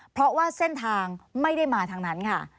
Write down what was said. เพราะว่าเส้นทางไม่ได้มาทางนั้นค่ะ